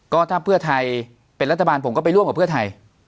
ก็ถ้าเพื่อไทยเป็นรัฐบาลผมก็ไปร่วมกับเพื่อไทย